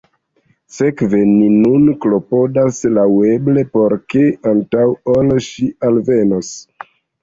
Sekve, ni nun klopodas laŭeble por ke, antaŭ ol ŝi alvenos…